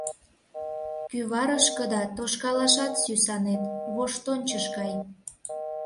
Кӱварышкыда тошкалашат сӱсанет, воштончыш гай.